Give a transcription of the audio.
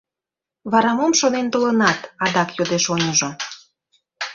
— Вара мом шонен толынат? — адак йодеш оньыжо.